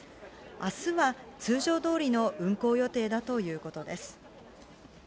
あすは通常どおりの運行予定だということです。